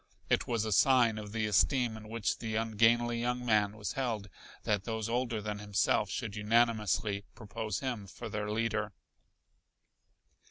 It was a sign of the esteem in which the ungainly young man was held that those older than himself should unanimously propose him for their leader.